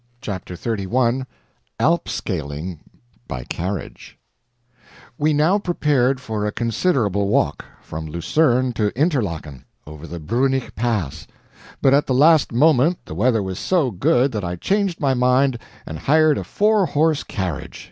CHAPTER XXXI [Alp scaling by Carriage] We now prepared for a considerable walk from Lucerne to Interlaken, over the Bruenig Pass. But at the last moment the weather was so good that I changed my mind and hired a four horse carriage.